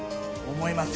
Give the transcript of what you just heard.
思います。